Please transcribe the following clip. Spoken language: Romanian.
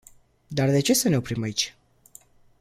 Dar de ce să ne oprim aici?